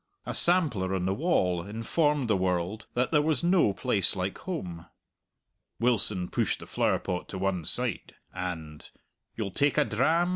A sampler on the wall informed the world that there was no place like home. Wilson pushed the flowerpot to one side, and "You'll take a dram?"